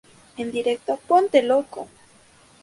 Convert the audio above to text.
En directo... ¡ponte loco!